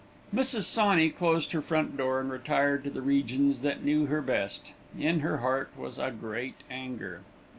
Mrs. Sawney closed her front door and retired to the regions that knew her best. In her heart was a great anger.